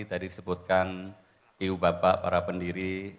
tadi disebutkan ibu bapak para pendiri